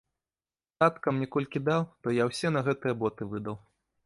Татка мне колькі даў, то я ўсе на гэтыя боты выдаў.